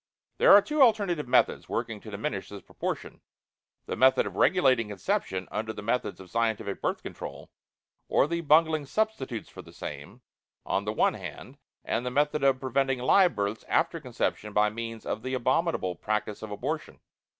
There are two alternative methods working to diminish this proportion: the method of regulating conception under the methods of scientific Birth Control, or the bungling substitutes for the same, on the one hand, and the method of preventing live births after conception by means of the abominable practice of abortion.